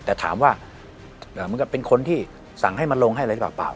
แต่ถามว่าเอ่อมันก็เป็นคนที่สั่งให้มาลงให้อะไรหรือเปล่าเปล่า